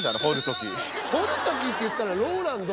掘る時っていったらＲＯＬＡＮＤ